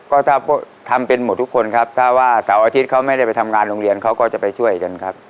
ก็ถ้าทำเป็นหมดทุกคนครับถ้าว่าเสาร์อาทิตย์เขาไม่ได้ไปทำงานโรงเรียนเขาก็จะไปช่วยกันครับ